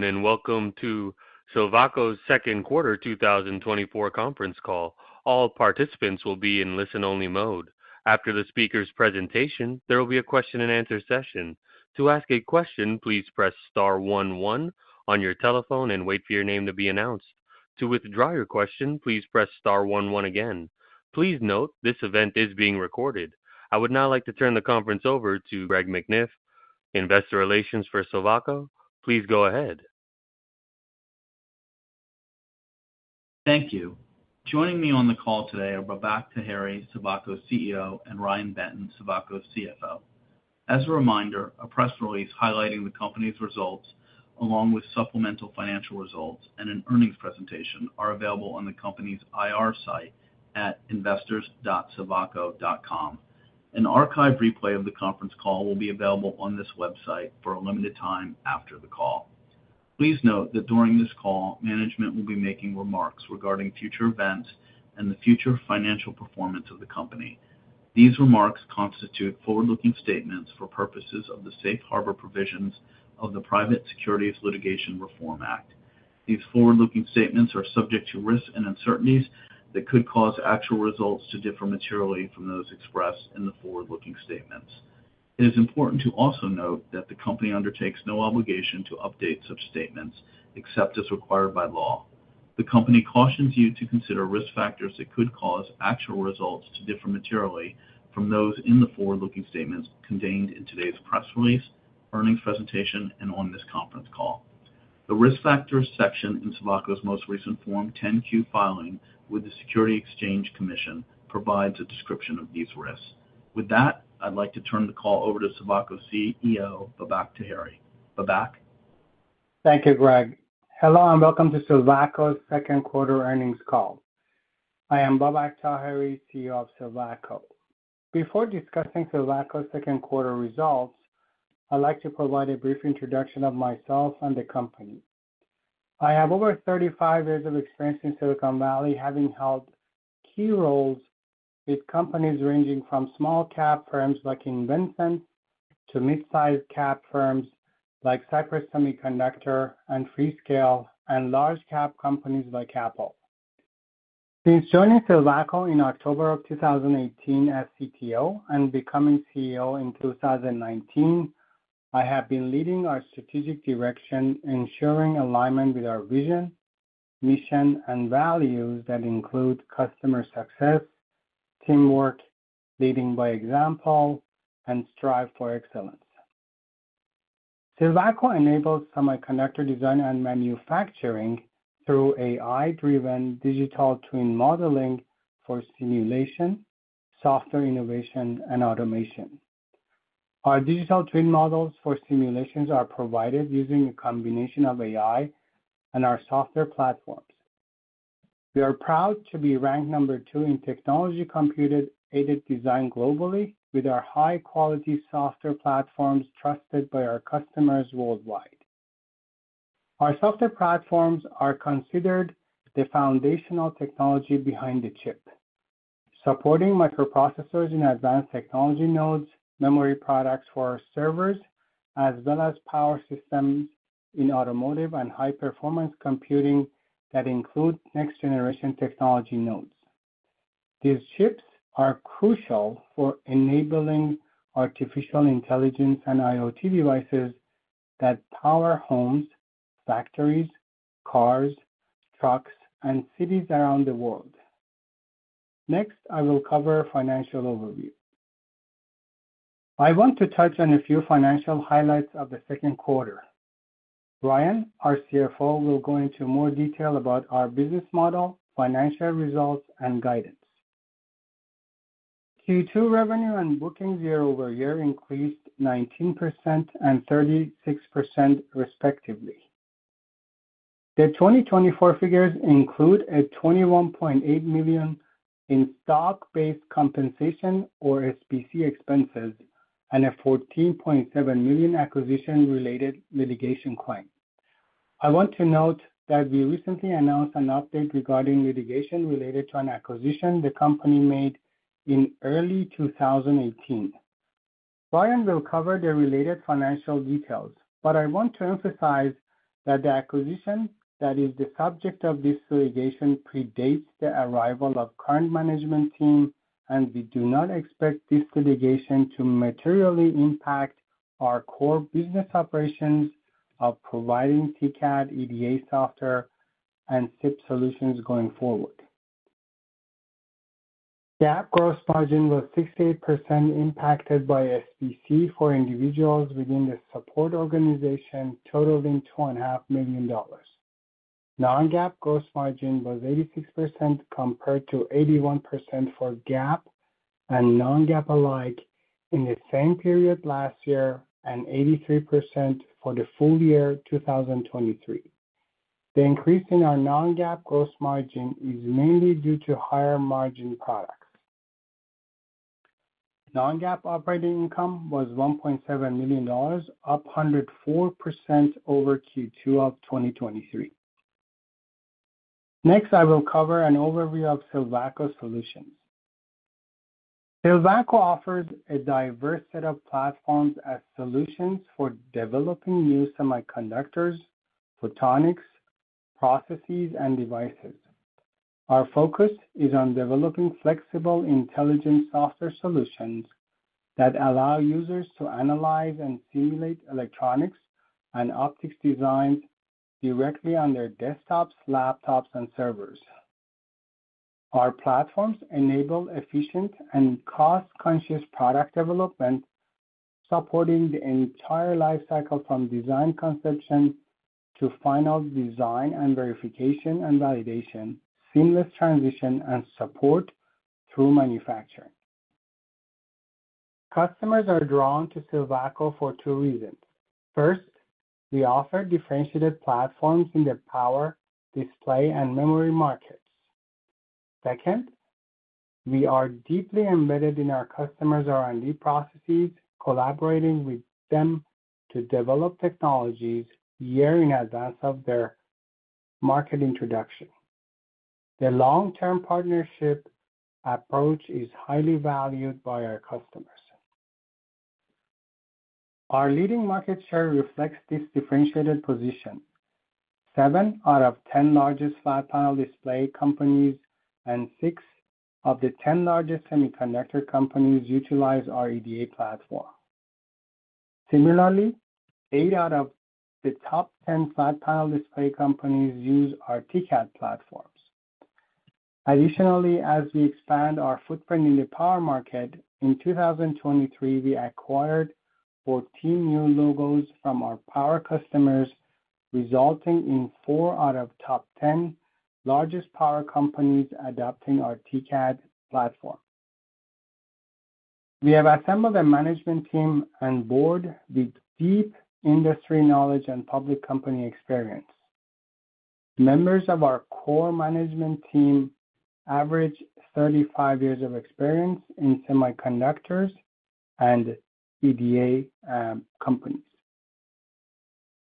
Good afternoon, and welcome to Silvaco's second quarter 2024 conference call. All participants will be in listen-only mode. After the speaker's presentation, there will be a question-and-answer session. To ask a question, please press star one one on your telephone and wait for your name to be announced. To withdraw your question, please press star one one again. Please note, this event is being recorded. I would now like to turn the conference over to Greg McNiff, Investor Relations for Silvaco. Please go ahead. Thank you. Joining me on the call today are Babak Taheri, Silvaco's CEO, and Ryan Benton, Silvaco's CFO. As a reminder, a press release highlighting the company's results, along with supplemental financial results and an earnings presentation, are available on the company's IR site at investors.silvaco.com. An archive replay of the conference call will be available on this website for a limited time after the call. Please note that during this call, management will be making remarks regarding future events and the future financial performance of the company. These remarks constitute forward-looking statements for purposes of the Safe Harbor provisions of the Private Securities Litigation Reform Act. These forward-looking statements are subject to risks and uncertainties that could cause actual results to differ materially from those expressed in the forward-looking statements. It is important to also note that the company undertakes no obligation to update such statements, except as required by law. The company cautions you to consider risk factors that could cause actual results to differ materially from those in the forward-looking statements contained in today's press release, earnings presentation, and on this conference call. The Risk Factors section in Silvaco's most recent Form 10-Q filing with the Securities and Exchange Commission provides a description of these risks. With that, I'd like to turn the call over to Silvaco's CEO, Babak Taheri. Babak? Thank you, Greg. Hello, and welcome to Silvaco's second quarter earnings call. I am Babak Taheri, CEO of Silvaco. Before discussing Silvaco's second quarter results, I'd like to provide a brief introduction of myself and the company. I have over 35 years of experience in Silicon Valley, having held key roles with companies ranging from small cap firms like InvenSense, to mid-sized cap firms like Cypress Semiconductor and Freescale, and large cap companies like Apple. Since joining Silvaco in October of 2018 as CTO and becoming CEO in 2019, I have been leading our strategic direction, ensuring alignment with our vision, mission, and values that include customer success, teamwork, leading by example, and strive for excellence. Silvaco enables semiconductor design and manufacturing through AI-driven digital twin modeling for simulation, software innovation, and automation. Our digital twin models for simulations are provided using a combination of AI and our software platforms. We are proud to be ranked second in technology computer-aided design globally, with our high-quality software platforms trusted by our customers worldwide. Our software platforms are considered the foundational technology behind the chip, supporting microprocessors in advanced technology nodes, memory products for our servers, as well as power systems in automotive and high-performance computing that include next-generation technology nodes. These chips are crucial for enabling artificial intelligence and IoT devices that power homes, factories, cars, trucks, and cities around the world. Next, I will cover financial overview. I want to touch on a few financial highlights of the second quarter. Ryan, our CFO, will go into more detail about our business model, financial results, and guidance. Q2 revenue and bookings year-over-year increased 19% and 36%, respectively. The 2024 figures include $21.8 million in stock-based compensation, or SBC expenses, and a $14.7 million acquisition-related litigation claim. I want to note that we recently announced an update regarding litigation related to an acquisition the company made in early 2018. Ryan will cover the related financial details, but I want to emphasize that the acquisition that is the subject of this litigation predates the arrival of current management team, and we do not expect this litigation to materially impact our core business operations of providing TCAD EDA software and SIP solutions going forward. GAAP gross margin was 68%, impacted by SBC for individuals within the support organization, totaling $2.5 million. Non-GAAP gross margin was 86%, compared to 81% for GAAP and non-GAAP alike in the same period last year, and 83% for the full year 2023. The increase in our non-GAAP gross margin is mainly due to higher margin products. Non-GAAP operating income was $1.7 million, up 104% over Q2 of 2023. Next, I will cover an overview of Silvaco solutions. Silvaco offers a diverse set of platforms as solutions for developing new semiconductors, photonics, processes, and devices. Our focus is on developing flexible, intelligent software solutions that allow users to analyze and simulate electronics and optics design directly on their desktops, laptops, and servers. Our platforms enable efficient and cost-conscious product development, supporting the entire life cycle from design conception to final design and verification and validation, seamless transition, and support through manufacturing. Customers are drawn to Silvaco for two reasons. First, we offer differentiated platforms in the power, display, and memory markets. Second, we are deeply embedded in our customers' R&D processes, collaborating with them to develop technologies year in advance of their market introduction. The long-term partnership approach is highly valued by our customers. Our leading market share reflects this differentiated position. Seven out of 10 largest flat panel display companies and six of the 10 largest semiconductor companies utilize our EDA platform. Similarly, eight out of the top 10 flat panel display companies use our TCAD platforms. Additionally, as we expand our footprint in the power market, in 2023, we acquired 14 new logos from our power customers, resulting in four out of top 10 largest power companies adopting our TCAD platform. We have assembled a management team on board with deep industry knowledge and public company experience. Members of our core management team average 35 years of experience in semiconductors and EDA companies.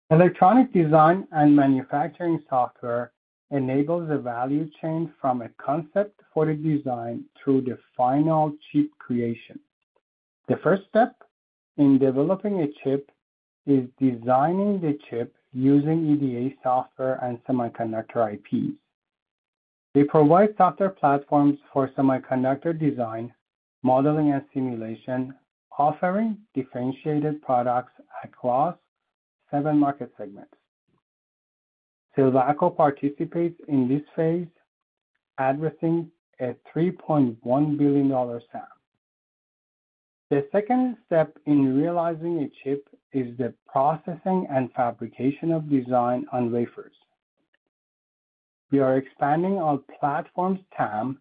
Electronic design and manufacturing software enables the value chain from a concept for the design through the final chip creation. The first step in developing a chip is designing the chip using EDA software and semiconductor IPs. We provide software platforms for semiconductor design, modeling, and simulation, offering differentiated products across seven market segments. Silvaco participates in this phase, addressing a $3.1 billion TAM. The second step in realizing a chip is the processing and fabrication of design on wafers. We are expanding our platform's TAM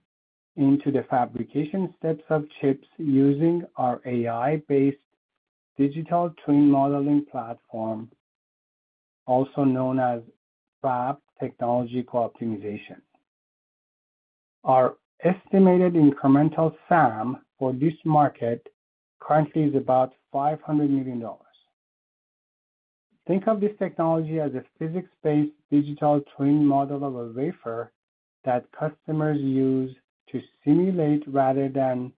into the fabrication steps of chips using our AI-based digital twin modeling platform, also known as Fab Technology Co-optimization. Our estimated incremental SAM for this market currently is about $500 million. Think of this technology as a physics-based digital twin model of a wafer that customers use to simulate rather than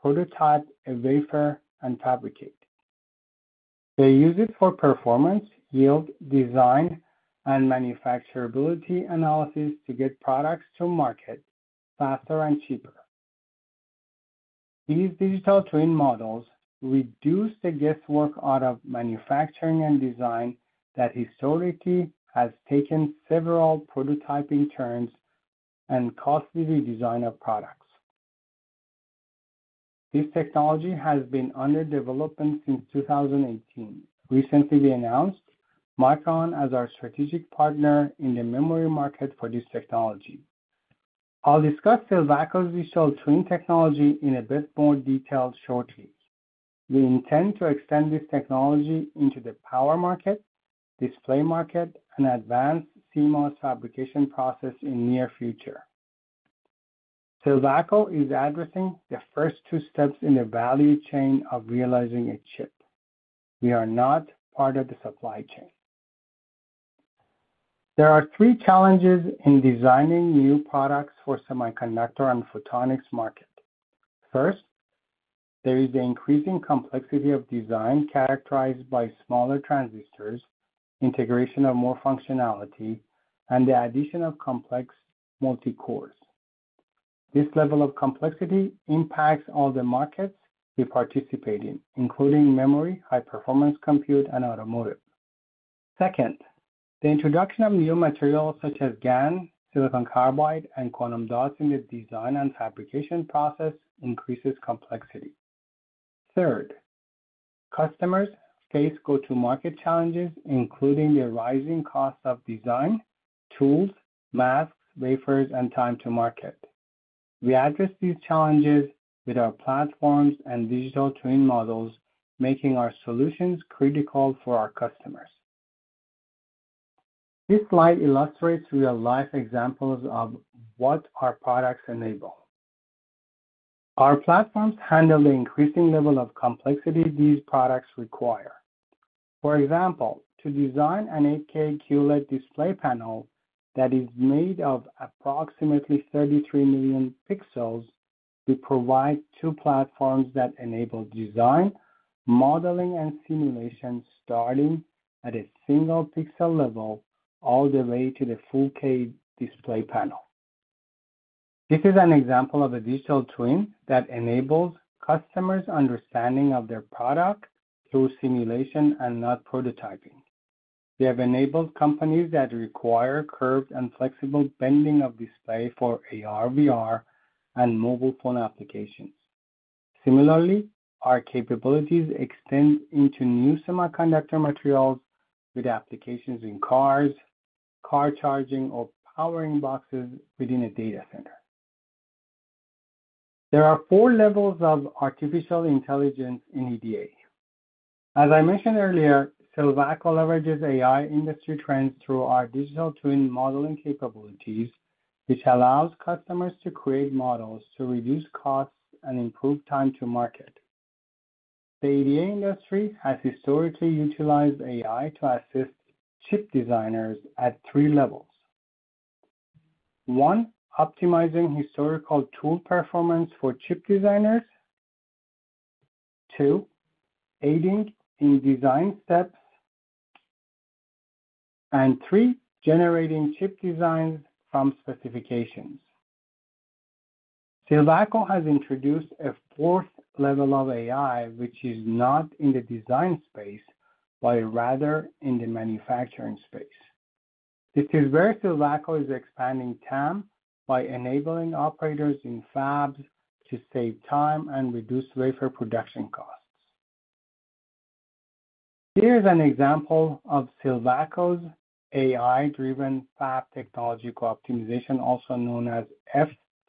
prototype a wafer and fabricate. They use it for performance, yield, design, and manufacturability analysis to get products to market faster and cheaper. These digital twin models reduce the guesswork out of manufacturing and design that historically has taken several prototyping turns and costly redesign of products. This technology has been under development since 2018. Recently, we announced Micron as our strategic partner in the memory market for this technology. I'll discuss Silvaco's digital twin technology in a bit more detail shortly. We intend to extend this technology into the power market, display market, and advanced CMOS fabrication process in near future. Silvaco is addressing the first two steps in the value chain of realizing a chip. We are not part of the supply chain. There are three challenges in designing new products for semiconductor and photonics market. First, there is the increasing complexity of design, characterized by smaller transistors, integration of more functionality, and the addition of complex multicores. This level of complexity impacts all the markets we participate in, including memory, high-performance compute, and automotive. Second, the introduction of new materials such as GaN, silicon carbide, and quantum dots in the design and fabrication process increases complexity. Third, customers face go-to-market challenges, including the rising cost of design, tools, masks, wafers, and time to market. We address these challenges with our platforms and digital twin models, making our solutions critical for our customers. This slide illustrates real-life examples of what our products enable. Our platforms handle the increasing level of complexity these products require. For example, to design an 8K QLED display panel that is made of approximately 33 million pixels, we provide two platforms that enable design, modeling, and simulation, starting at a single pixel level all the way to the full 8K display panel. This is an example of a digital twin that enables customers' understanding of their product through simulation and not prototyping. We have enabled companies that require curved and flexible bending of display for AR/VR and mobile phone applications. Similarly, our capabilities extend into new semiconductor materials with applications in cars, car charging, or powering boxes within a data center. There are 4 levels of artificial intelligence in EDA. As I mentioned earlier, Silvaco leverages AI industry trends through our digital twin modeling capabilities, which allows customers to create models to reduce costs and improve time to market. The EDA industry has historically utilized AI to assist chip designers at three levels. One, optimizing historical tool performance for chip designers. Two, aiding in design steps. And three, generating chip designs from specifications. Silvaco has introduced a fourth level of AI, which is not in the design space, but rather in the manufacturing space. This is where Silvaco is expanding TAM by enabling operators in fabs to save time and reduce wafer production costs. Here is an example of Silvaco's AI-driven Fab Technology Co-Optimization, also known as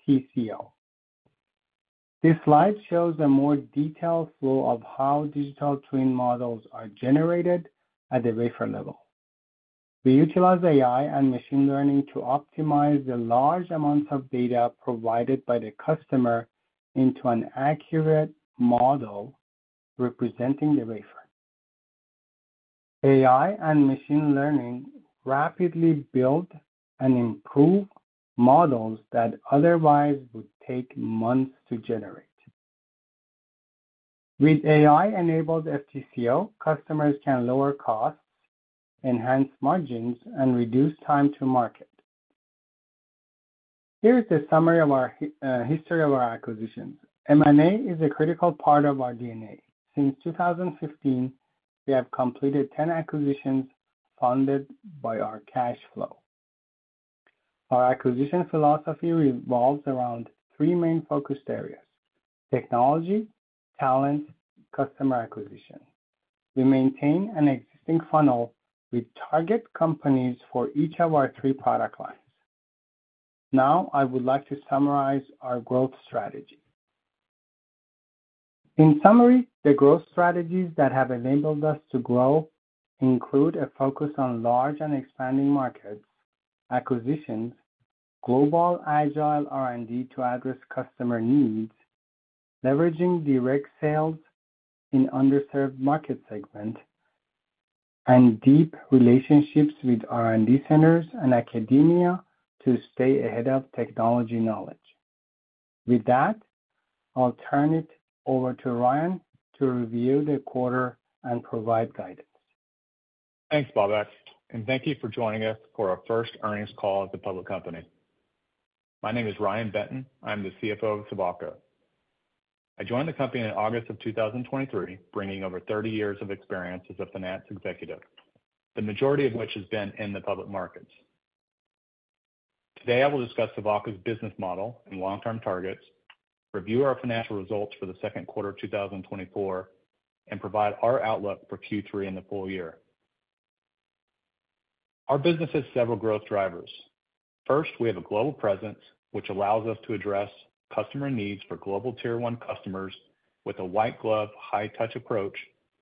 FTCO. This slide shows a more detailed flow of how digital twin models are generated at the wafer level. We utilize AI and machine learning to optimize the large amounts of data provided by the customer into an accurate model representing the wafer. AI and machine learning rapidly build and improve models that otherwise would take months to generate. With AI-enabled FTCO, customers can lower costs, enhance margins, and reduce time to market. Here is the summary of our history of our acquisitions. M&A is a critical part of our DNA. Since 2015, we have completed 10 acquisitions funded by our cash flow. Our acquisition philosophy revolves around three main focus areas: technology, talent, customer acquisition. We maintain an existing funnel with target companies for each of our three product lines. Now, I would like to summarize our growth strategy. In summary, the growth strategies that have enabled us to grow include a focus on large and expanding markets, acquisitions, global agile R&D to address customer needs, leveraging direct sales in underserved market segment, and deep relationships with R&D centers and academia to stay ahead of technology knowledge. With that, I'll turn it over to Ryan to review the quarter and provide guidance. Thanks, Babak, and thank you for joining us for our first earnings call as a public company. My name is Ryan Benton. I'm the CFO of Silvaco. I joined the company in August of 2023, bringing over 30 years of experience as a finance executive, the majority of which has been in the public markets. Today, I will discuss Silvaco's business model and long-term targets, review our financial results for the second quarter of 2024, and provide our outlook for Q3 and the full year. Our business has several growth drivers. First, we have a global presence, which allows us to address customer needs for global tier one customers with a white glove, high-touch approach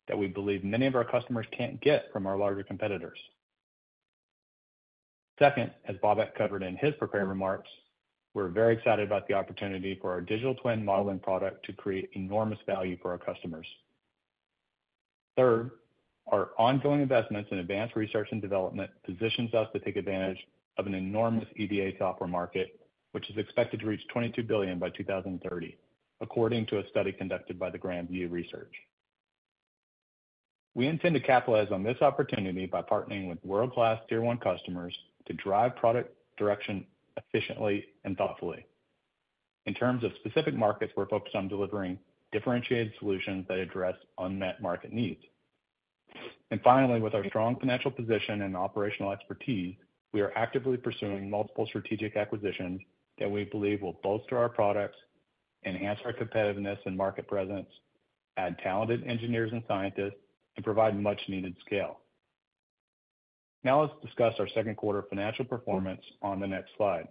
that we believe many of our customers can't get from our larger competitors. Second, as Babak covered in his prepared remarks, we're very excited about the opportunity for our digital twin modeling product to create enormous value for our customers. Third, our ongoing investments in advanced research and development positions us to take advantage of an enormous EDA software market, which is expected to reach $22 billion by 2030, according to a study conducted by the Grand View Research. We intend to capitalize on this opportunity by partnering with world-class tier one customers to drive product direction efficiently and thoughtfully. In terms of specific markets, we're focused on delivering differentiated solutions that address unmet market needs. And finally, with our strong financial position and operational expertise, we are actively pursuing multiple strategic acquisitions that we believe will bolster our products, enhance our competitiveness and market presence, add talented engineers and scientists, and provide much-needed scale. Now, let's discuss our second quarter financial performance on the next slide.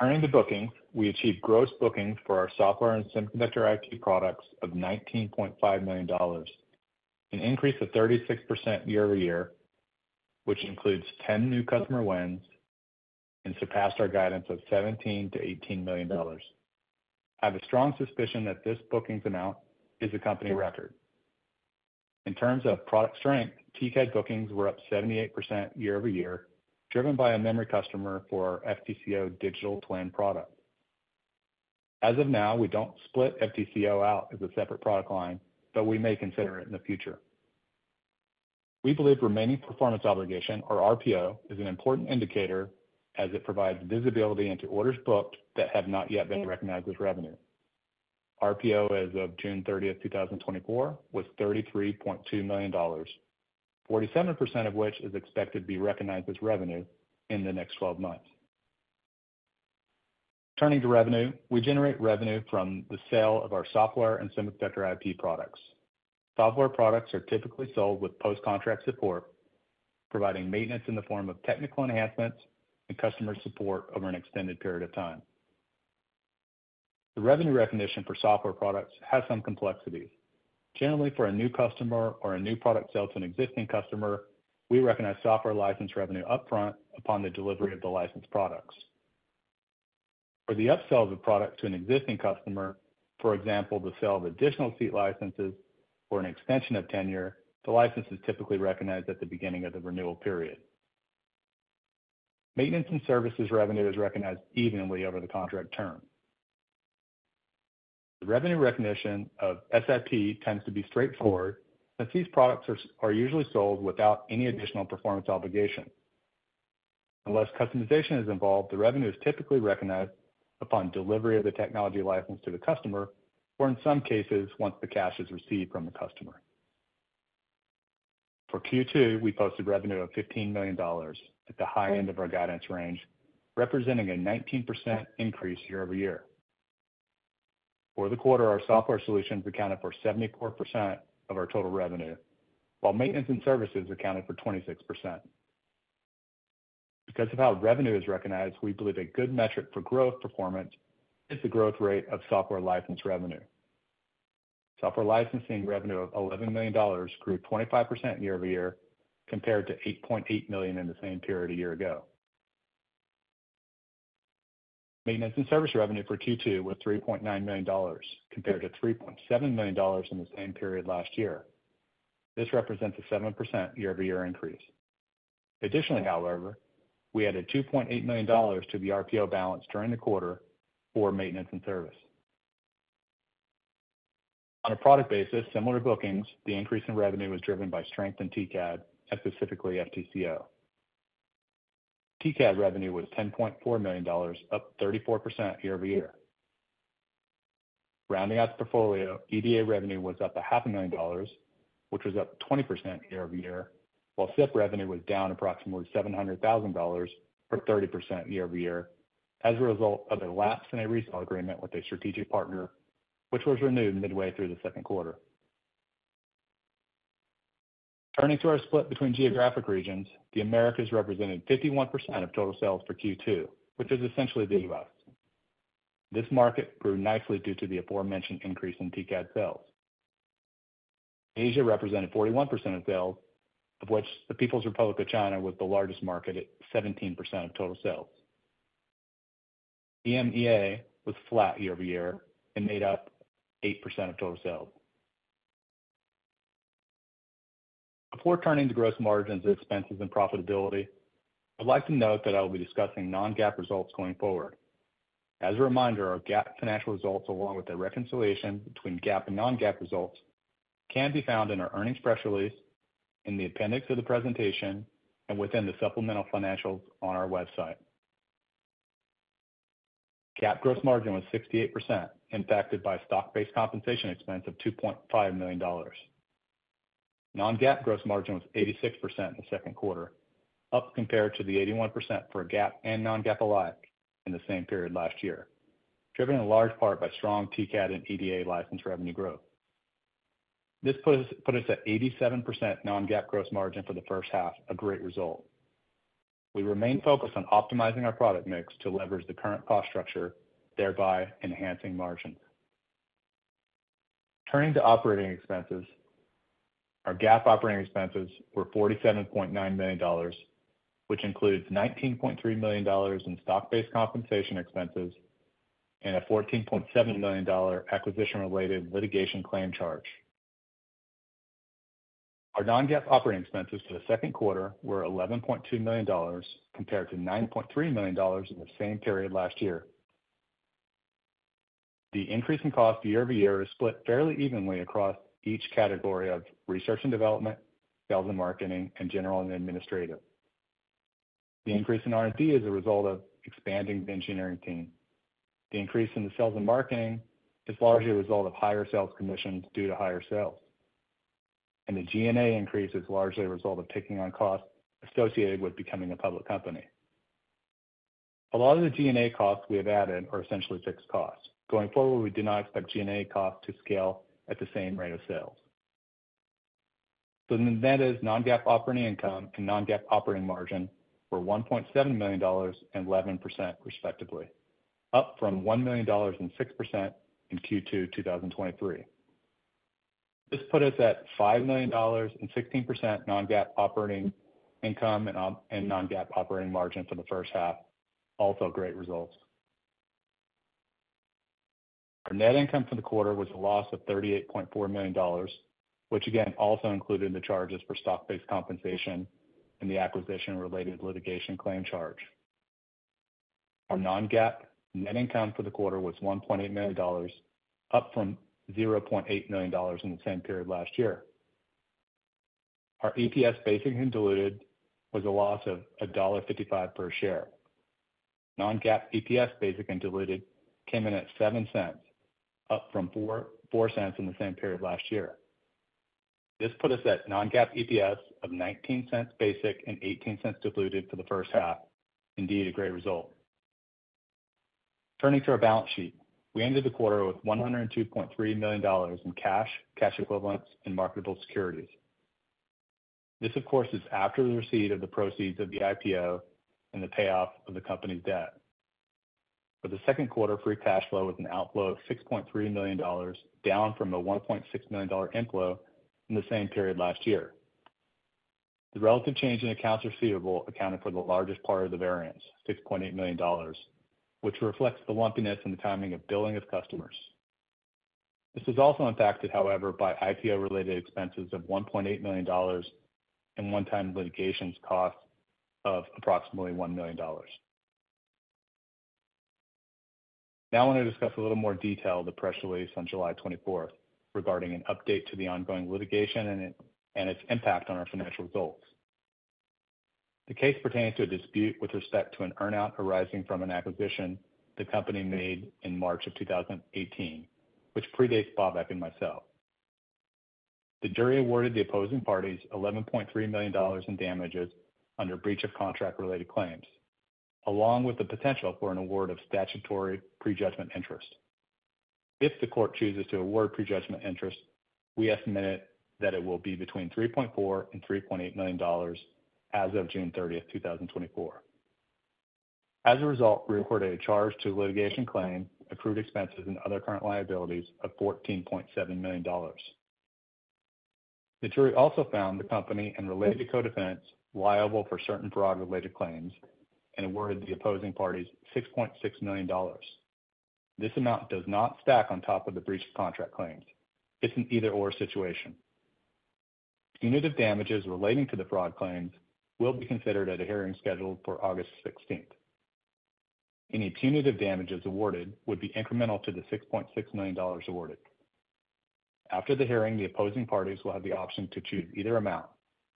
Turning to bookings, we achieved gross bookings for our software and semiconductor IP products of $19.5 million, an increase of 36% year-over-year, which includes 10 new customer wins and surpassed our guidance of $17 million-$18 million. I have a strong suspicion that this bookings amount is a company record. In terms of product strength, TCAD bookings were up 78% year-over-year, driven by a memory customer for our FTCO digital twin product. As of now, we don't split FTCO out as a separate product line, but we may consider it in the future. We believe remaining performance obligation, or RPO, is an important indicator as it provides visibility into orders booked that have not yet been recognized as revenue. RPO as of June 30, 2024, was $33.2 million, 47% of which is expected to be recognized as revenue in the next 12 months. Turning to revenue, we generate revenue from the sale of our software and semiconductor IP products. Software products are typically sold with post-contract support, providing maintenance in the form of technical enhancements and customer support over an extended period of time. The revenue recognition for software products has some complexities. Generally, for a new customer or a new product sale to an existing customer, we recognize software license revenue upfront upon the delivery of the licensed products. For the upsell of the product to an existing customer, for example, the sale of additional seat licenses or an extension of tenure, the license is typically recognized at the beginning of the renewal period. Maintenance and services revenue is recognized evenly over the contract term. The revenue recognition of SIP tends to be straightforward, as these products are usually sold without any additional performance obligation. Unless customization is involved, the revenue is typically recognized upon delivery of the technology license to the customer, or in some cases, once the cash is received from the customer. For Q2, we posted revenue of $15 million at the high end of our guidance range, representing a 19% increase year-over-year. For the quarter, our software solutions accounted for 74% of our total revenue, while maintenance and services accounted for 26%. Because of how revenue is recognized, we believe a good metric for growth performance is the growth rate of software license revenue. Software licensing revenue of $11 million grew 25% year-over-year, compared to $8.8 million in the same period a year ago. Maintenance and service revenue for Q2 was $3.9 million, compared to $3.7 million in the same period last year. This represents a 7% year-over-year increase. Additionally, however, we added $2.8 million to the RPO balance during the quarter for maintenance and service. On a product basis, similar to bookings, the increase in revenue was driven by strength in TCAD, and specifically FTCO. TCAD revenue was $10.4 million, up 34% year-over-year. Rounding out the portfolio, EDA revenue was up $500,000, which was up 20% year-over-year, while SIP revenue was down approximately $700,000, or 30% year-over-year, as a result of a lapse in a resale agreement with a strategic partner, which was renewed midway through the second quarter. Turning to our split between geographic regions, the Americas represented 51% of total sales for Q2, which is essentially the U.S. This market grew nicely due to the aforementioned increase in TCAD sales. Asia represented 41% of sales, of which the People's Republic of China was the largest market at 17% of total sales. EMEA was flat year-over-year and made up 8% of total sales. Before turning to gross margins, expenses, and profitability, I'd like to note that I will be discussing non-GAAP results going forward. As a reminder, our GAAP financial results, along with the reconciliation between GAAP and non-GAAP results, can be found in our earnings press release, in the appendix of the presentation, and within the supplemental financials on our website. GAAP gross margin was 68%, impacted by stock-based compensation expense of $2.5 million. Non-GAAP gross margin was 86% in the second quarter, up compared to the 81% for GAAP and non-GAAP alike in the same period last year, driven in large part by strong TCAD and EDA license revenue growth. This put us at 87% non-GAAP gross margin for the first half, a great result. We remain focused on optimizing our product mix to leverage the current cost structure, thereby enhancing margin. Turning to operating expenses. Our GAAP operating expenses were $47.9 million, which includes $19.3 million in stock-based compensation expenses and a $14.7 million acquisition-related litigation claim charge. Our non-GAAP operating expenses for the second quarter were $11.2 million, compared to $9.3 million in the same period last year. The increase in cost year over year is split fairly evenly across each category of research and development, sales and marketing, and general and administrative. The increase in R&D is a result of expanding the engineering team. The increase in the sales and marketing is largely a result of higher sales commissions due to higher sales. And the G&A increase is largely a result of taking on costs associated with becoming a public company. A lot of the G&A costs we have added are essentially fixed costs. Going forward, we do not expect G&A costs to scale at the same rate of sales. So Silvaco's non-GAAP operating income and non-GAAP operating margin were $1.7 million and 11%, respectively, up from $1 million and 6% in Q2 2023. This put us at $5 million and 16% non-GAAP operating income and operating and non-GAAP operating margin for the first half, also great results. Our net income for the quarter was a loss of $38.4 million, which again, also included the charges for stock-based compensation and the acquisition-related litigation claim charge. Our non-GAAP net income for the quarter was $1.8 million, up from $0.8 million in the same period last year. Our EPS, basic and diluted, was a loss of $1.55 per share. Non-GAAP EPS, basic and diluted, came in at $0.07, up from $0.044 in the same period last year. This put us at non-GAAP EPS of $0.19 basic and $0.18 diluted for the first half. Indeed, a great result. Turning to our balance sheet. We ended the quarter with $102.3 million in cash, cash equivalents, and marketable securities. This, of course, is after the receipt of the proceeds of the IPO and the payoff of the company's debt. For the second quarter, free cash flow was an outflow of $6.3 million, down from a $1.6 million inflow in the same period last year. The relative change in accounts receivable accounted for the largest part of the variance, $6.8 million, which reflects the lumpiness in the timing of billing of customers. This is also impacted, however, by IPO-related expenses of $1.8 million and one-time litigation costs of approximately $1 million. Now, I want to discuss a little more detail, the press release on July 24, regarding an update to the ongoing litigation and it, and its impact on our financial results. The case pertains to a dispute with respect to an earn-out arising from an acquisition the company made in March 2018, which predates Babak and myself. The jury awarded the opposing parties $11.3 million in damages under breach of contract-related claims, along with the potential for an award of statutory prejudgment interest. If the court chooses to award prejudgment interest, we estimate that it will be between $3.4 million and $3.8 million as of June 30, 2024. As a result, we recorded a charge to a litigation claim, accrued expenses, and other current liabilities of $14.7 million. The jury also found the company and related co-defendants liable for certain fraud-related claims and awarded the opposing parties $6.6 million. This amount does not stack on top of the breached contract claims. It's an either/or situation. Punitive damages relating to the fraud claims will be considered at a hearing scheduled for August sixteenth. Any punitive damages awarded would be incremental to the $6.6 million awarded. After the hearing, the opposing parties will have the option to choose either amount,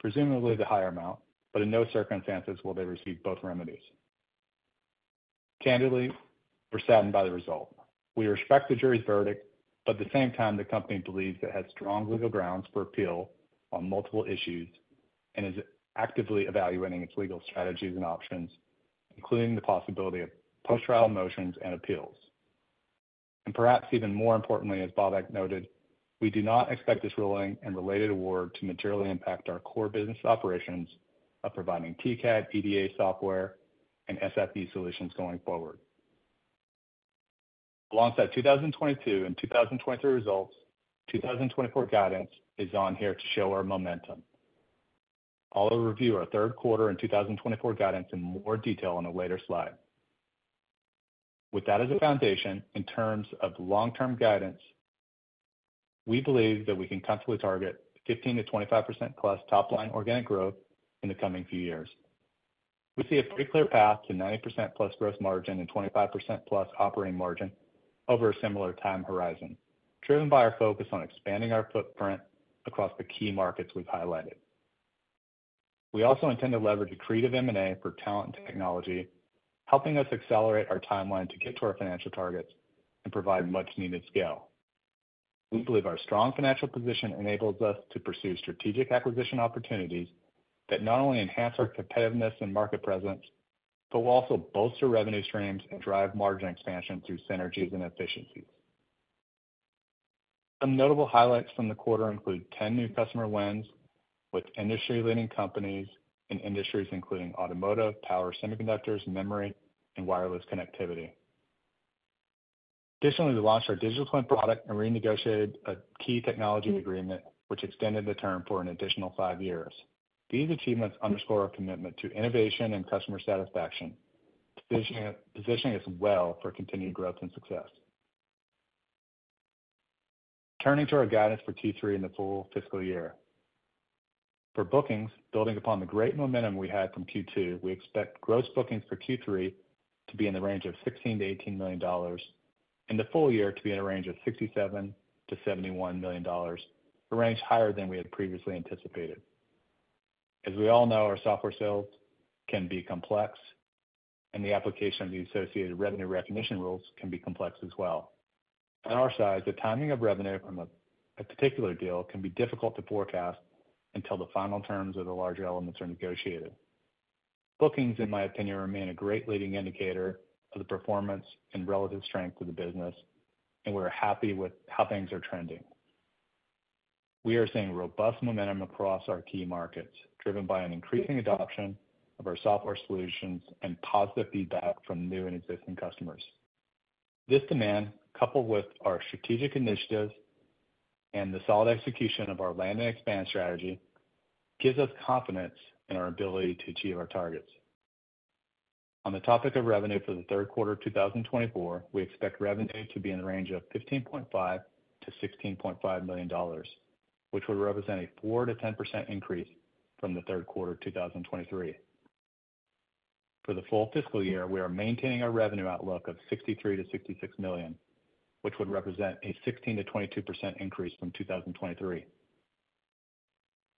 presumably the higher amount, but in no circumstances will they receive both remedies. Candidly, we're saddened by the result. We respect the jury's verdict, but at the same time, the company believes it has strong legal grounds for appeal on multiple issues and is actively evaluating its legal strategies and options, including the possibility of post-trial motions and appeals. And perhaps even more importantly, as Babak noted, we do not expect this ruling and related award to materially impact our core business operations of providing TCAD, EDA software, and SIP solutions going forward. Alongside 2022 and 2023 results, 2024 guidance is on here to show our momentum. I'll review our third quarter and 2024 guidance in more detail on a later slide. With that as a foundation, in terms of long-term guidance, we believe that we can constantly target 15%-25%+ top-line organic growth in the coming few years. We see a pretty clear path to 90%+ gross margin and 25%+ operating margin over a similar time horizon, driven by our focus on expanding our footprint across the key markets we've highlighted. We also intend to leverage accretive M&A for talent and technology, helping us accelerate our timeline to get to our financial targets and provide much-needed scale. We believe our strong financial position enables us to pursue strategic acquisition opportunities that not only enhance our competitiveness and market presence, but will also bolster revenue streams and drive margin expansion through synergies and efficiencies. Some notable highlights from the quarter include 10 new customer wins with industry-leading companies in industries including automotive, power semiconductors, memory, and wireless connectivity. Additionally, we launched our digital twin product and renegotiated a key technology agreement, which extended the term for an additional five years. These achievements underscore our commitment to innovation and customer satisfaction, positioning us well for continued growth and success. Turning to our guidance for Q3 and the full fiscal year. For bookings, building upon the great momentum we had from Q2, we expect gross bookings for Q3 to be in the range of $16 million-$18 million, and the full year to be in a range of $67 million-$71 million, a range higher than we had previously anticipated. As we all know, our software sales can be complex, and the application of the associated revenue recognition rules can be complex as well. On our side, the timing of revenue from a particular deal can be difficult to forecast until the final terms of the larger elements are negotiated. Bookings, in my opinion, remain a great leading indicator of the performance and relative strength of the business, and we're happy with how things are trending. We are seeing robust momentum across our key markets, driven by an increasing adoption of our software solutions and positive feedback from new and existing customers. This demand, coupled with our strategic initiatives and the solid execution of our land and expand strategy, gives us confidence in our ability to achieve our targets. On the topic of revenue for the third quarter of 2024, we expect revenue to be in the range of $15.5 million-$16.5 million, which would represent a 4%-10% increase from the third quarter of 2023. For the full fiscal year, we are maintaining our revenue outlook of $63 million-$66 million, which would represent a 16%-22% increase from 2023.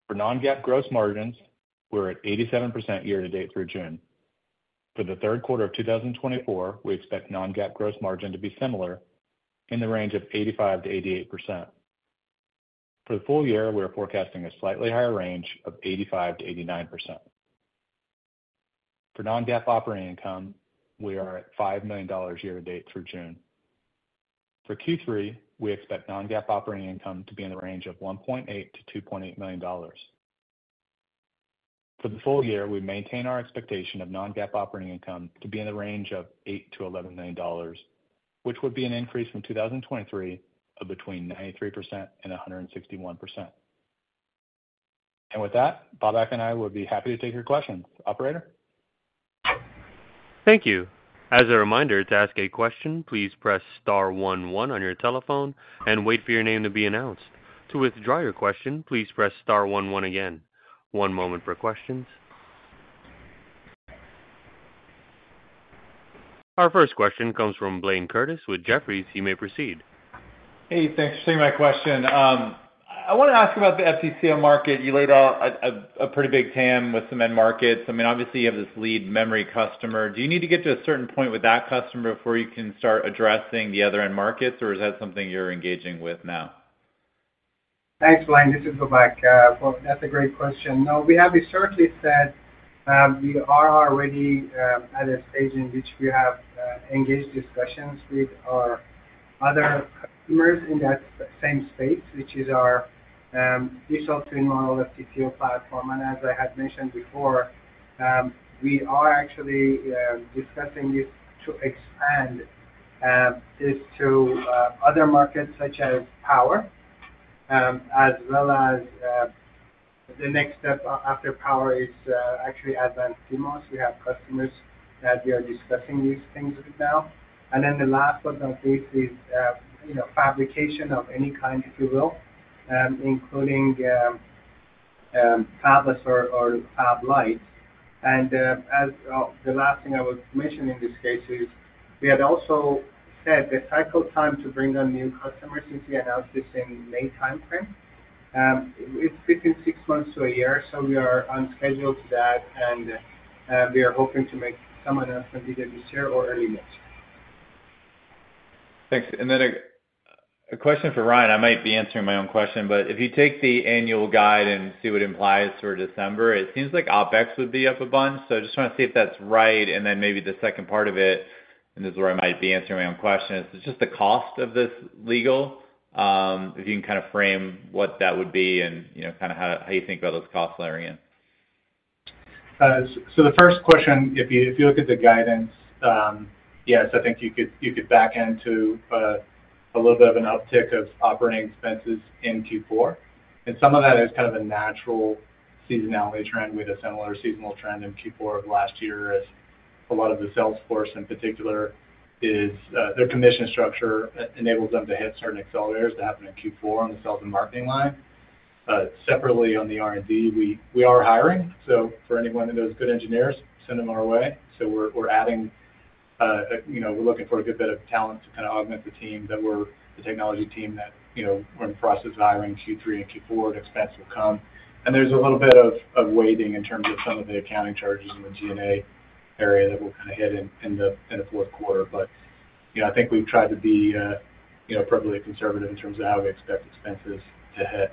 For non-GAAP gross margins, we're at 87% year to date through June. For the third quarter of 2024, we expect non-GAAP gross margin to be similar in the range of 85%-88%. For the full year, we are forecasting a slightly higher range of 85%-89%. For non-GAAP operating income, we are at $5 million year to date through June. For Q3, we expect non-GAAP operating income to be in the range of $1.8 million-$2.8 million. For the full year, we maintain our expectation of non-GAAP operating income to be in the range of $8 million-$11 million, which would be an increase from 2023 of between 93% and 161%. And with that, Babak and I will be happy to take your questions. Operator? Thank you. As a reminder, to ask a question, please press star one one on your telephone and wait for your name to be announced. To withdraw your question, please press star one one again. One moment for questions. Our first question comes from Blaine Curtis with Jefferies. You may proceed. Hey, thanks for taking my question. I want to ask about the FTCO market. You laid out a pretty big TAM with some end markets. I mean, obviously, you have this lead memory customer. Do you need to get to a certain point with that customer before you can start addressing the other end markets, or is that something you're engaging with now? Thanks, Blaine. This is Babak. Well, that's a great question. No, we have certainly said, we are already, at a stage in which we have, engaged discussions with our other customers in that same space, which is our, digital twin model of FTCO platform. And as I had mentioned before, we are actually, discussing this to expand, this to, other markets such as power, as well as, the next step after power is, actually advanced CMOS. We have customers that we are discussing these things with now. And then the last but not least is, you know, fabrication of any kind, if you will, including, tablets or, phablets. And, as... Oh, the last thing I would mention in this case is we had also said the cycle time to bring on new customers since we announced this in May timeframe, it's between six months to a year, so we are on schedule to that, and we are hoping to make some announcements either this year or early next. Thanks. And then a question for Ryan. I might be answering my own question, but if you take the annual guide and see what implies for December, it seems like OpEx would be up a bunch. So I just want to see if that's right. And then maybe the second part of it, and this is where I might be answering my own question, is just the cost of this legal, if you can kind of frame what that would be and, you know, kind of how you think about those costs layering in. So the first question, if you look at the guidance, yes, I think you could back into a little bit of an uptick of operating expenses in Q4. And some of that is kind of a natural seasonality trend. We had a similar seasonal trend in Q4 of last year, as a lot of the sales force, in particular, their commission structure enables them to hit certain accelerators that happen in Q4 on the sales and marketing line. Separately, on the R&D, we are hiring, so for any one of those good engineers, send them our way. So we're adding, you know, we're looking for a good bit of talent to kind of augment the team that we're... The technology team that, you know, we're in the process of hiring Q3 and Q4, and expense will come. And there's a little bit of weighting in terms of some of the accounting charges in the G&A area that will kind of hit in the fourth quarter. But, you know, I think we've tried to be, you know, appropriately conservative in terms of how we expect expenses to hit.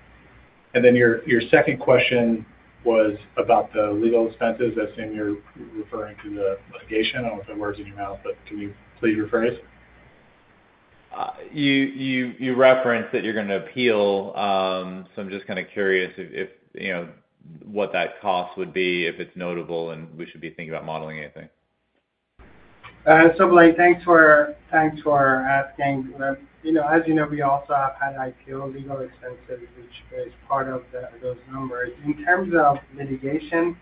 And then your second question was about the legal expenses. I assume you're referring to the litigation. I don't know if that puts words in your mouth, but can you please rephrase? You referenced that you're gonna appeal, so I'm just kind of curious if, you know, what that cost would be, if it's notable, and we should be thinking about modeling anything. So Blaine, thanks for, thanks for asking. You know, as you know, we also have had IPO legal expenses, which is part of those numbers. In terms of litigation,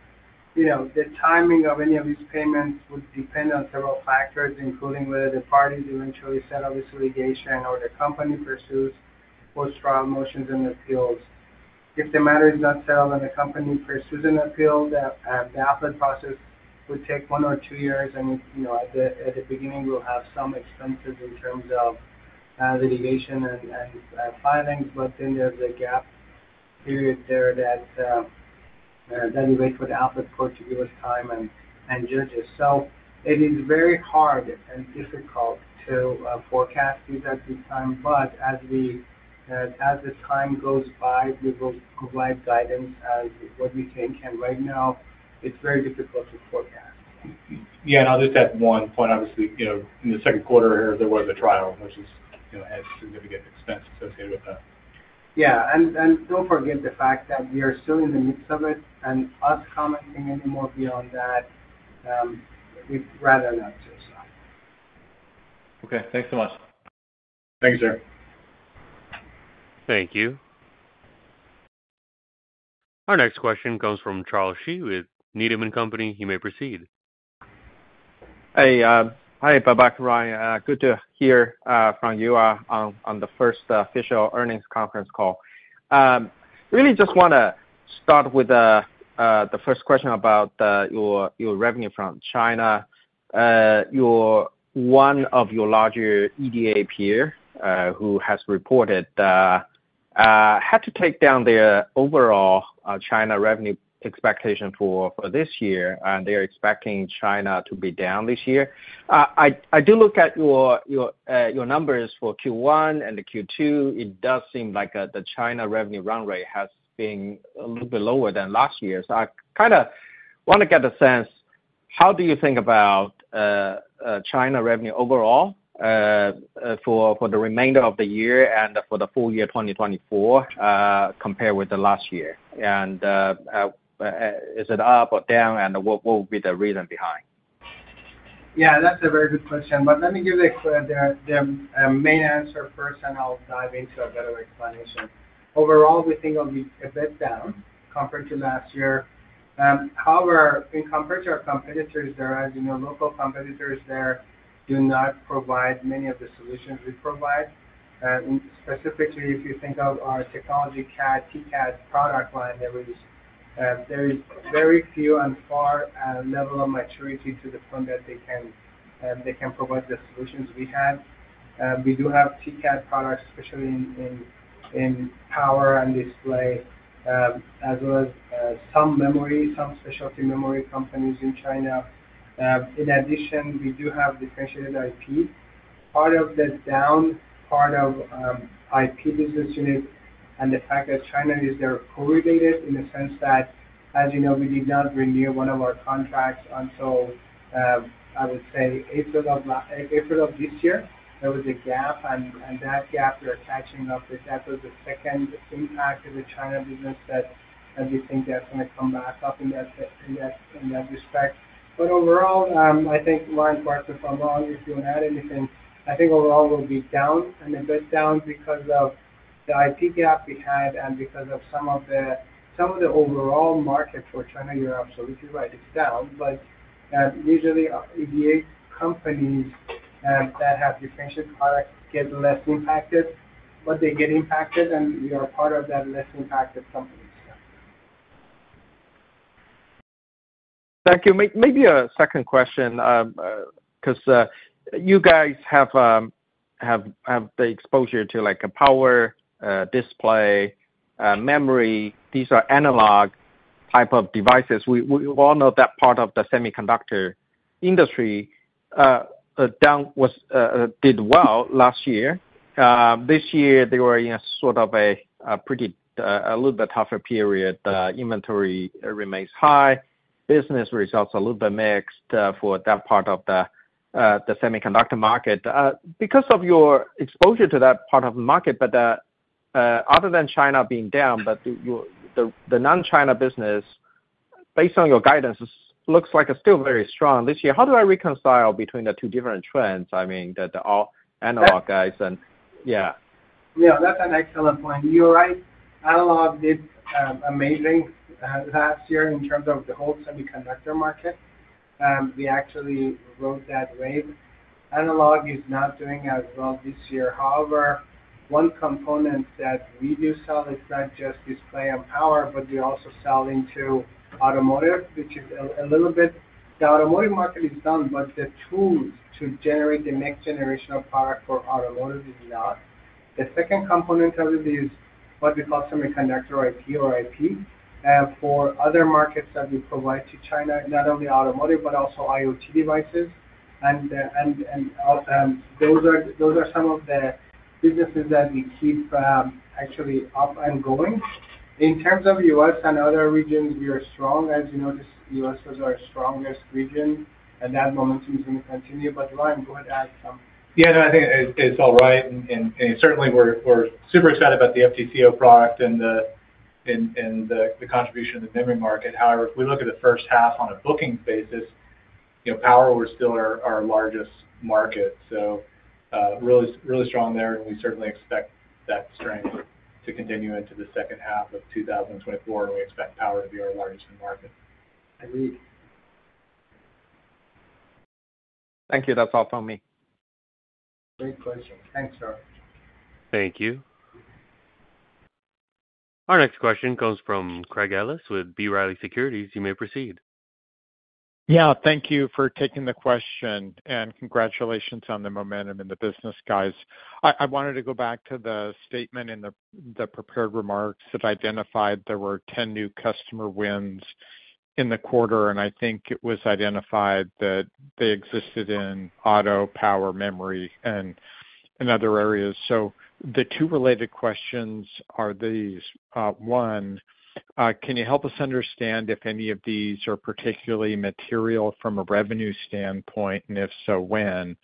you know, the timing of any of these payments would depend on several factors, including whether the parties eventually settle this litigation or the company pursues post-trial motions and appeals. If the matter is not settled and the company pursues an appeal, the appellate process would take one or two years. And, you know, at the beginning, we'll have some expenses in terms of litigation and, and, filings, but then there's a gap period there that you wait for the appellate court to give us time and, and judges. So it is very hard and difficult to forecast these at this time. As the time goes by, we will provide guidance as what we think. Right now, it's very difficult to forecast. Yeah, and I'll just add one point. Obviously, you know, in the second quarter, there was a trial, which is, you know, had significant expense associated with that.... Yeah, and, and don't forget the fact that we are still in the midst of it, and us commenting any more beyond that, we'd rather not just now. Okay, thanks so much. Thanks, sir. Thank you. Our next question comes from Charles Shi with Needham & Company. You may proceed. Hey, hi, back, Ryan. Good to hear from you on the first official earnings conference call. Really just wanna start with the first question about your revenue from China. One of your larger EDA peer who has reported had to take down their overall China revenue expectation for this year, and they're expecting China to be down this year. I do look at your numbers for Q1 and Q2. It does seem like the China revenue run rate has been a little bit lower than last year. So I kind of wanna get a sense, how do you think about China revenue overall, for the remainder of the year and for the full year 2024, compared with the last year? And, is it up or down, and what would be the reason behind? Yeah, that's a very good question. But let me give you the main answer first, and I'll dive into a better explanation. Overall, we think it'll be a bit down compared to last year. However, compared to our competitors there, as you know, local competitors there do not provide many of the solutions we provide. Specifically, if you think of our technology, TCAD, PDK product line, there is very few and far level of maturity to the point that they can provide the solutions we have. We do have PDK products, especially in power and display, as well as some memory, some specialty memory companies in China. In addition, we do have differentiated IP. Part of the down part of IP business unit and the fact that China is there correlated in the sense that, as you know, we did not renew one of our contracts until I would say, April of this year. There was a gap, and that gap we are catching up. That was the second impact of the China business that, and we think that's gonna come back up in that, in that, in that respect. But overall, I think, Ryan, correct me if I'm wrong, if you want to add anything, I think overall we'll be down, and a bit down because of the IP gap we had and because of some of the, some of the overall market for China. You're absolutely right, it's down. But usually, EDA companies that have differentiated products get less impacted, but they get impacted, and we are part of that less impacted companies. Thank you. Maybe a second question, 'cause you guys have the exposure to, like, power, display, memory. These are analog type of devices. We all know that part of the semiconductor industry did well last year. This year, they were in a sort of a pretty little bit tougher period. The inventory remains high, business results a little bit mixed, for that part of the semiconductor market. Because of your exposure to that part of the market, but other than China being down, but the non-China business, based on your guidance, looks like it's still very strong this year. How do I reconcile between the two different trends, I mean, the all analog guys and... Yeah. Yeah, that's an excellent point. You're right. Analog did amazing last year in terms of the whole semiconductor market. We actually rode that wave. Analog is not doing as well this year. However, one component that we do sell is not just display and power, but we also sell into automotive, which is a little bit. The automotive market is down, but the tools to generate the next generation of product for automotive is not. The second component of it is what we call semiconductor IP or IP for other markets that we provide to China, not only automotive, but also IoT devices. And those are some of the businesses that we keep actually up and going. In terms of U.S. and other regions, we are strong. As you know, the U.S. was our strongest region, and that momentum is going to continue. But Ryan, go ahead, add some. Yeah, no, I think it's all right. And certainly we're super excited about the FTCO product and the contribution of the memory market. However, if we look at the first half on a booking basis, you know, power was still our largest market. So, really strong there, and we certainly expect that strength to continue into the second half of 2024, and we expect power to be our largest market. Indeed. Thank you. That's all from me. Great question. Thanks, sir. Thank you. Our next question comes from Craig Ellis with B. Riley Securities. You may proceed. Yeah, thank you for taking the question, and congratulations on the momentum in the business, guys. I, I wanted to go back to the statement in the, the prepared remarks that identified there were 10 new customer wins in the quarter, and I think it was identified that they existed in auto, power, memory, and in other areas. So the two related questions are these: one, can you help us understand if any of these are particularly material from a revenue standpoint, and if so, when?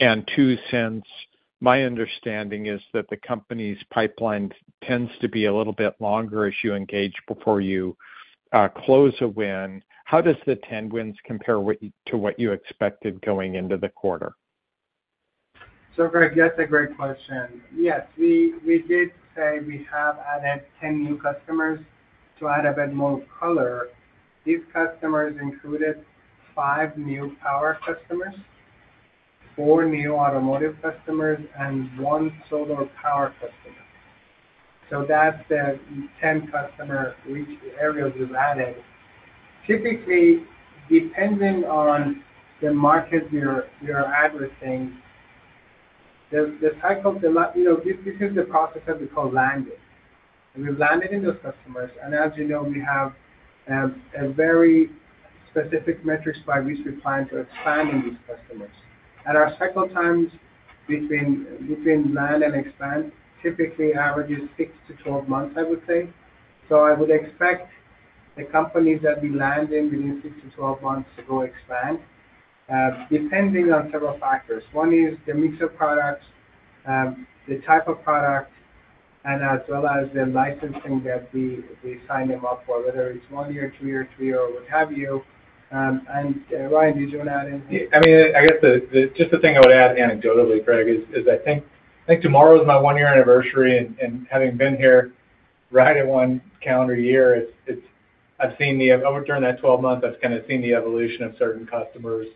And two, since my understanding is that the company's pipeline tends to be a little bit longer as you engage before you, close a win, how does the 10 wins compare what you, to what you expected going into the quarter? So, Greg, that's a great question. Yes, we did say we have added 10 new customers. To add a bit more color, these customers included five new power customers, four new automotive customers, and 1 solar power customer. So that's the 10 customer, which areas we've added. Typically, depending on the market you're addressing, you know, this is the process that we call landing. And we've landed in those customers, and as you know, we have a very specific metrics by which we plan to expand in these customers. And our cycle times between land and expand typically averages 6-12 months, I would say. So I would expect the companies that we land in within 6-12 months to go expand, depending on several factors. One is the mix of products, the type of product, and as well as the licensing that we, we sign them up for, whether it's 1 year, 2 year, 3 year, or what have you. And Ryan, did you want to add anything? I mean, I guess just the thing I would add anecdotally, Greg, is I think tomorrow is my one-year anniversary, and having been here right at one calendar year, it's—I've seen the... Over during that twelve months, I've kind of seen the evolution of certain customers,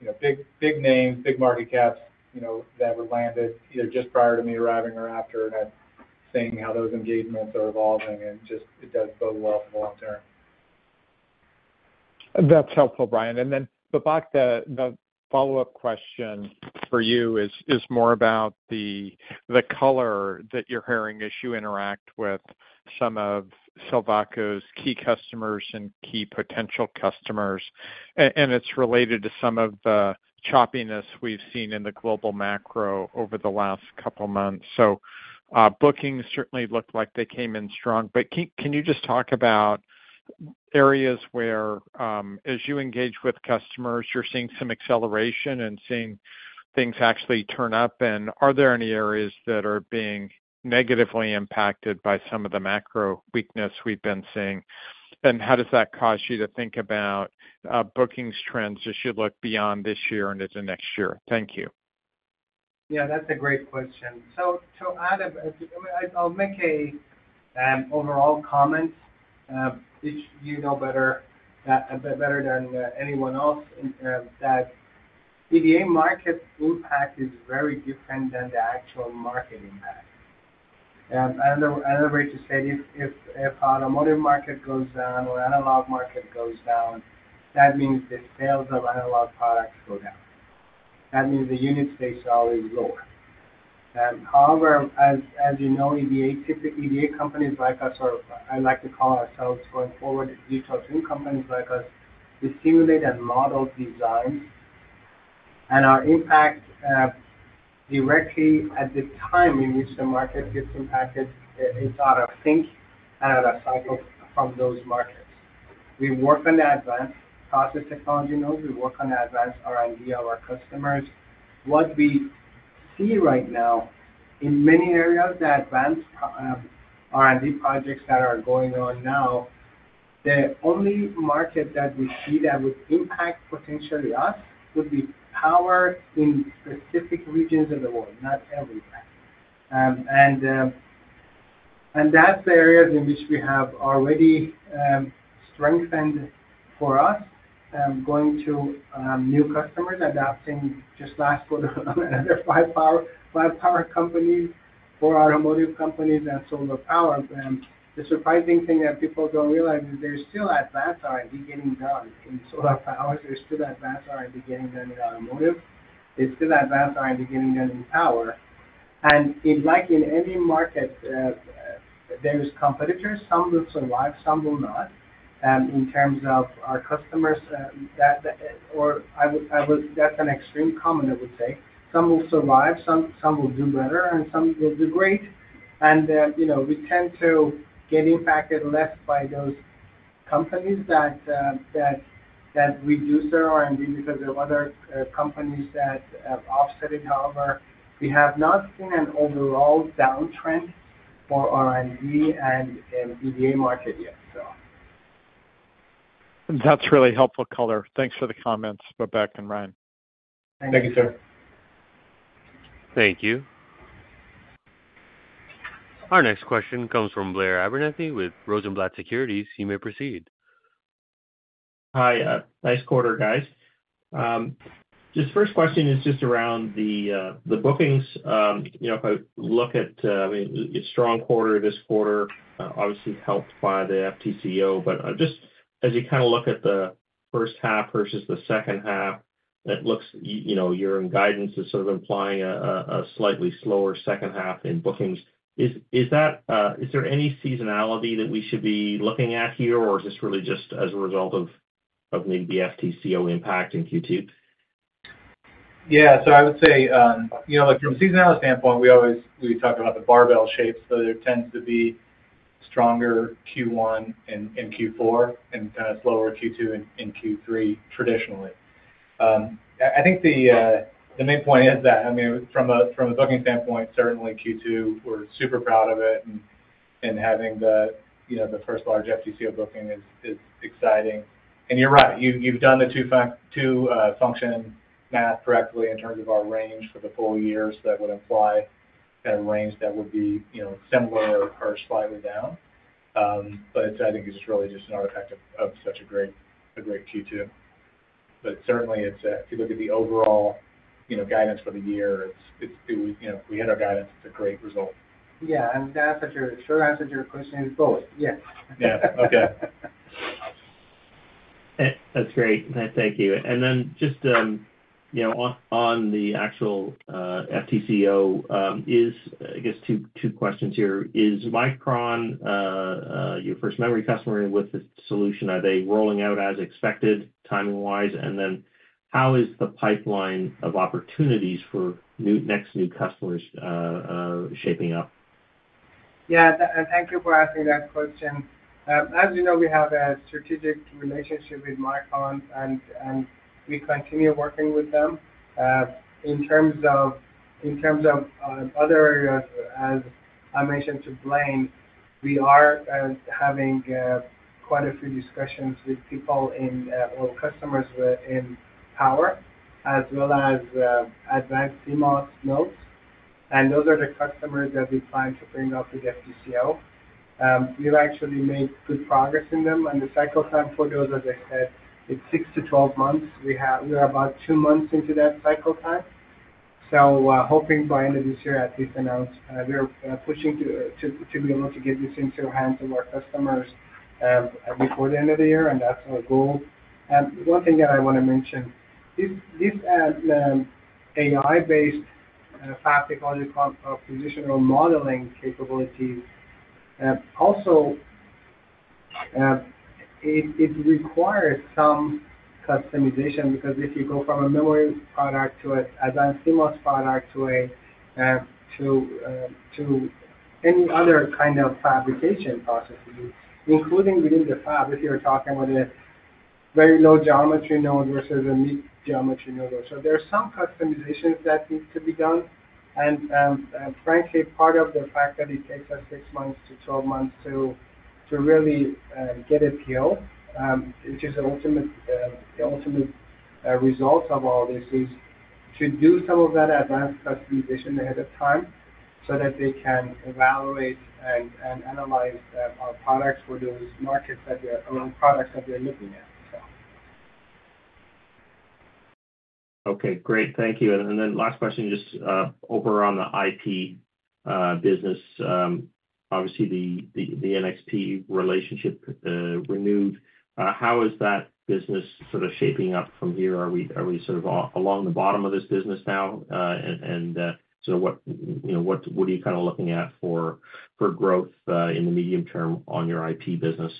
you know, big names, big market caps, you know, that were landed either just prior to me arriving or after, and I'm seeing how those engagements are evolving, and just it does bode well for the long term. That's helpful, Brian. And then, Babak, the follow-up question for you is more about the color that you're hearing as you interact with some of Silvaco's key customers and key potential customers. And it's related to some of the choppiness we've seen in the global macro over the last couple months. So, bookings certainly looked like they came in strong, but can you just talk about areas where, as you engage with customers, you're seeing some acceleration and seeing things actually turn up? And are there any areas that are being negatively impacted by some of the macro weakness we've been seeing? And how does that cause you to think about bookings trends as you look beyond this year and into next year? Thank you. Yeah, that's a great question. I'll make a overall comment, which you know better, better than anyone else, in that EDA market impact is very different than the actual market impact. As Richard said, if automotive market goes down or analog market goes down, that means the sales of analog products go down. That means the unit space is always lower. However, as you know, EDA, typical EDA companies like us, or I like to call ourselves going forward, digital tool companies like us, we simulate and model design, and our impact directly at the time we reach the market gets impacted. It's out of sync and out of cycle from those markets. We work on the advanced process technology nodes. We work on the advanced R&D of our customers. What we see right now, in many areas, the advanced process R&D projects that are going on now, the only market that we see that would impact potentially us would be power in specific regions of the world, not everywhere. And that's the areas in which we have already strengthened for us, going to new customers, adapting just last quarter, another five power, five power companies, four automotive companies, and solar power. And the surprising thing that people don't realize is there's still advanced R&D getting done in solar power. There's still advanced R&D getting done in automotive. There's still advanced R&D getting done in power. And in like in any market, there is competitors, some will survive, some will not. In terms of our customers, or I would say that's an extreme comment. Some will survive, some will do better, and some will do great. And, you know, we tend to get impacted less by those companies that reduce their R&D because there are other companies that have offset it. However, we have not seen an overall downtrend for R&D and in EDA market yet, so. That's really helpful color. Thanks for the comments, Babak and Ryan. Thank you, sir. Thank you. Our next question comes from Blair Abernethy with Rosenblatt Securities. You may proceed. Hi, nice quarter, guys. Just first question is just around the, the bookings. You know, if I look at, I mean, it's strong quarter this quarter, obviously helped by the FTCO. But, just as you kind of look at the first half versus the second half, it looks, you know, your guidance is sort of implying a slightly slower second half in bookings. Is that, is there any seasonality that we should be looking at here, or is this really just as a result of maybe the FTCO impact in Q2? Yeah, so I would say, you know, like from a seasonality standpoint, we always talk about the barbell shapes, so there tends to be stronger Q1 and Q4 and kind of slower Q2 and Q3, traditionally. I think the main point is that, I mean, from a booking standpoint, certainly Q2, we're super proud of it, and having the, you know, the first large FTCO booking is exciting. And you're right, you've done the two function math correctly in terms of our range for the full year, so that would imply a range that would be, you know, similar or slightly down. But I think it's really just an artifact of such a great Q2. But certainly, if you look at the overall, you know, guidance for the year, it's, you know, we hit our guidance. It's a great result. Yeah, and short answer to your question is both. Yes. Yeah. Okay. That's great. Thank you. And then just, you know, on the actual FTCO, I guess two questions here. Is Micron your first memory customer with this solution? Are they rolling out as expected, timing-wise? And then how is the pipeline of opportunities for new next new customers shaping up? Yeah, and thank you for asking that question. As you know, we have a strategic relationship with Micron, and we continue working with them. In terms of other areas, as I mentioned to Blaine, we are having quite a few discussions with people in or customers within power, as well as advanced CMOS nodes. And those are the customers that we plan to bring on to the FTCO. We've actually made good progress in them, and the cycle time for those, as I said, it's 6-12 months. We're about two months into that cycle time. So, hoping by end of this year, at least announce we are pushing to be able to get this into the hands of our customers before the end of the year, and that's our goal. One thing that I wanna mention, this AI-based fab technology co-optimization modeling capabilities also, it requires some customization, because if you go from a memory product to an advanced CMOS product to any other kind of fabrication processes, including within the fab, if you're talking about a very low geometry node versus a mid-geometry node. So there are some customizations that need to be done. Frankly, part of the fact that it takes us 6-12 months to really get it peeled, which is the ultimate result of all this, is to do some of that advanced customization ahead of time, so that they can evaluate and analyze our products for those markets that they're, or products that they're looking at, so. Okay, great. Thank you. And then last question, just over on the IP business. Obviously the NXP relationship renewed. How is that business sort of shaping up from here? Are we sort of off along the bottom of this business now? And so what, you know, what are you kind of looking at for growth in the medium term on your IP business?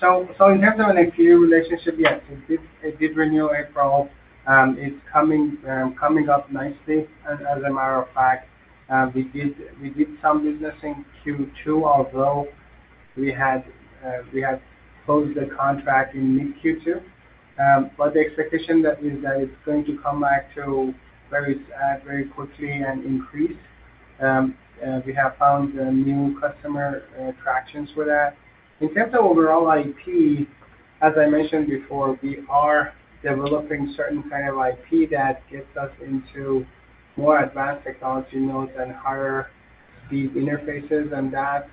So in terms of NXP relationship, yes, it did renew in April. It's coming up nicely. As a matter of fact, we did some business in Q2, although we had closed the contract in mid-Q2. But the expectation is that it's going to come back very quickly and increase. We have found a new customer traction for that. In terms of overall IP, as I mentioned before, we are developing certain kind of IP that gets us into more advanced technology nodes and higher speed interfaces, and that's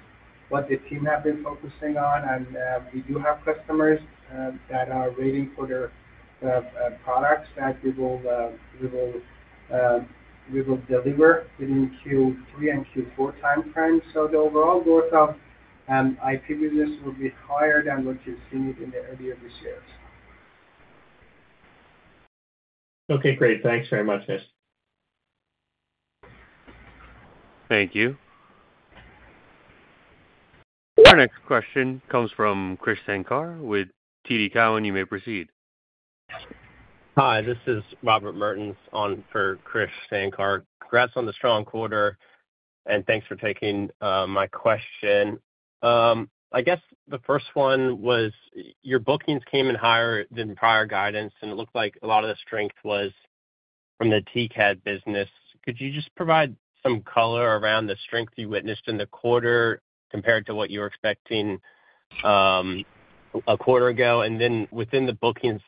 what the team have been focusing on. And we do have customers that are waiting for their products that we will deliver within Q3 and Q4 time frames. The overall growth of IP business will be higher than what you've seen in the earlier years. Okay, great. Thanks very much, guys. Thank you. Our next question comes from Khris Sankar with TD Cowen. You may proceed. Hi, this is Robert Mertens on for Khris Sankar. Congrats on the strong quarter, and thanks for taking my question. I guess the first one was your bookings came in higher than prior guidance, and it looked like a lot of the strength was from the TCAD business. Could you just provide some color around the strength you witnessed in the quarter, compared to what you were expecting, a quarter ago? And then within the bookings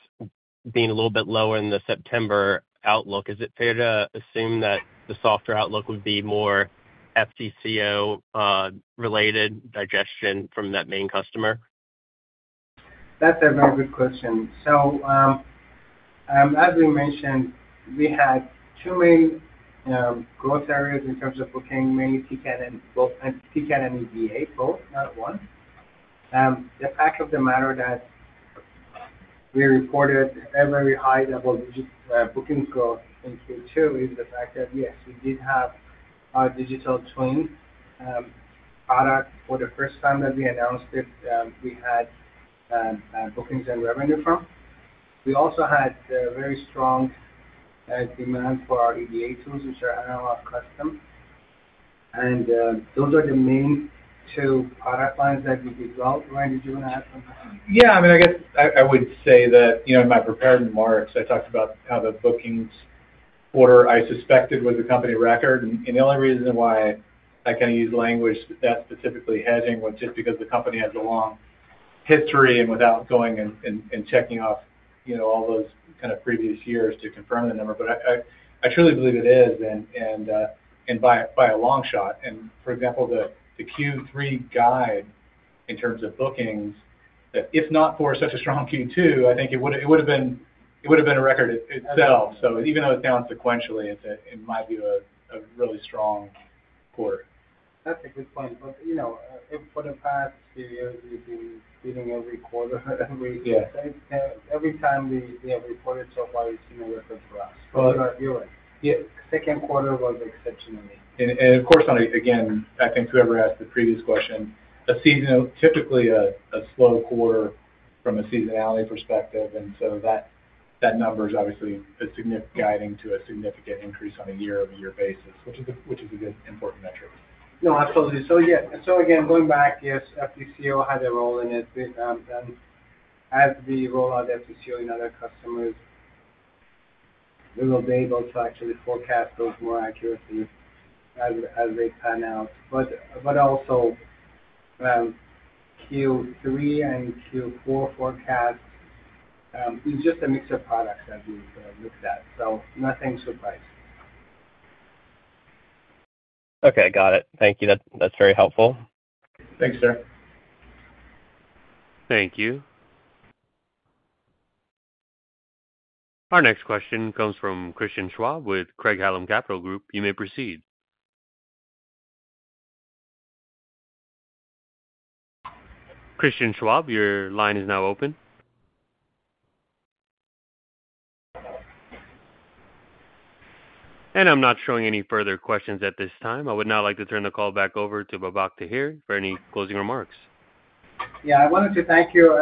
being a little bit lower in the September outlook, is it fair to assume that the softer outlook would be more FTCO related digestion from that main customer? That's a very good question. So, as we mentioned, we had two main growth areas in terms of bookings, mainly TCAD and both, and TCAD and EDA, both, not one. The fact of the matter that we reported a very high level bookings growth in Q2 is the fact that, yes, we did have our digital twin product for the first time that we announced it, we had bookings and revenue from.... We also had very strong demand for our EDA tools, which are analog custom. And those are the main two product lines that we developed. Ryan, did you want to add something? Yeah, I mean, I guess I would say that, you know, in my prepared remarks, I talked about how the bookings order I suspected was a company record. And the only reason why I kind of use language that specifically hedging was just because the company has a long history and without going and checking off, you know, all those kind of previous years to confirm the number. But I truly believe it is, and by a long shot. And for example, the Q3 guide in terms of bookings, that if not for such a strong Q2, I think it would have been a record itself. So even though it's down sequentially, it might be a really strong quarter. That's a good point. But, you know, for the past few years, we've been beating every quarter that we- Yeah. Every time we have reported so far, it's been a record for us. Well- In our view, yeah, second quarter was exceptional. And of course, on a... Again, I think whoever asked the previous question, a seasonally typical slow quarter from a seasonality perspective, and so that number is obviously guiding to a significant increase on a year-over-year basis, which is a good important metric. No, absolutely. So, yeah. So again, going back, yes, FTCO had a role in it. But then as we roll out FTCO and other customers, we will be able to actually forecast those more accurately as they pan out. But also, Q3 and Q4 forecast is just a mixture of products as we looked at, so nothing surprising. Okay, got it. Thank you. That, that's very helpful. Thanks, sir. Thank you. Our next question comes from Christian Schwab with Craig-Hallum Capital Group. You may proceed. Christian Schwab, your line is now open. I'm not showing any further questions at this time. I would now like to turn the call back over to Babak Taheri for any closing remarks. Yeah, I wanted to thank you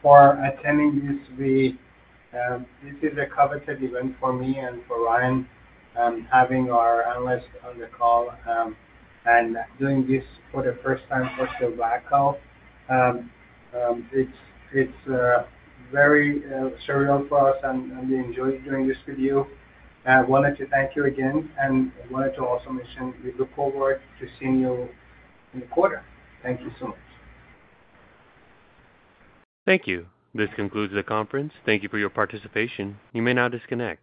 for attending this week. This is a coveted event for me and for Ryan, having our analysts on the call, and doing this for the first time for the public call. It's very surreal for us, and we enjoyed doing this with you. I wanted to thank you again, and I wanted to also mention we look forward to seeing you in the quarter. Thank you so much. Thank you. This concludes the conference. Thank you for your participation. You may now disconnect.